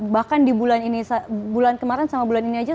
bahkan di bulan ini bulan kemarin sama bulan ini aja